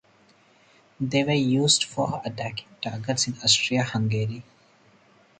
They were used for attacking targets in Austria-Hungary.